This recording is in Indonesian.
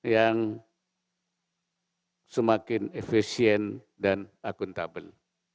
yang semakin efisien dan akuntabel